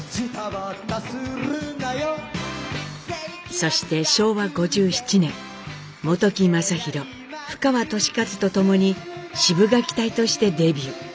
そして昭和５７年本木雅弘布川敏和と共にシブがき隊としてデビュー。